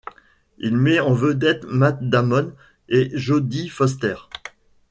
Il met en vedette Matt Damon et Jodie Foster.